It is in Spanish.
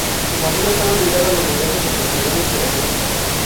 Su familia estaba ligada a los negocios empresariales y a la política.